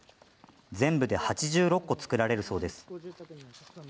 全部で８６戸、造られるそうです。